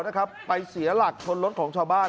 นะครับไปเสียหลักชนรถของชาวบ้าน